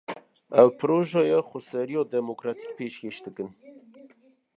Ew, projeya xweseriya demokratîk pêşkêş dikin